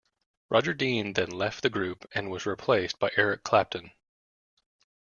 Roger Dean then left the group and was replaced by Eric Clapton.